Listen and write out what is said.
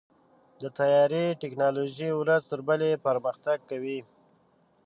د طیارې ټیکنالوژي ورځ تر بلې پرمختګ کوي.